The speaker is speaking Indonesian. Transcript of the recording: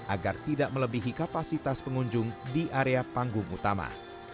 agar tidak melebihi kapasitas pengunjung di area panggung utama